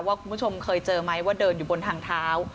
คุณผู้ชมเคยเจอไหมว่าเดินอยู่บนทางเท้า